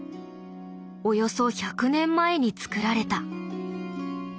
およそ１００年前に作られた。